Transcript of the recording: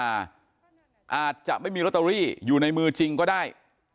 อาจจะไม่มีลอตเตอรี่อยู่ในมือจริงก็ได้